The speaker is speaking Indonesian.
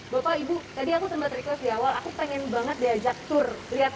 bapak ibu tadi aku tiba tiba teriklas di awal aku pengen banget diajak tur lihat